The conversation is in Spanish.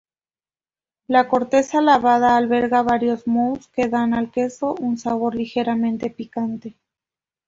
La corteza lavada alberga varios mohos que dan al queso un sabor ligeramente picante.